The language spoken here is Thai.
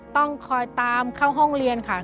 ต้องคอยตามเข้าห้องเรียนค่ะ